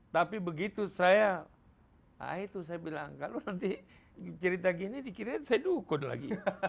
tapi begitu saya ah itu saya bilang kalau nanti cerita gini dikirim saya dukun lagi